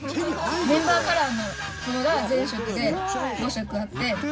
メンバーカラーのものが全色で５色あって。